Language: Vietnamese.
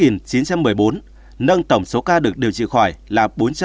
nâng tổng số ca được điều trị khỏi là bốn trăm ba mươi ba bốn trăm sáu mươi năm ca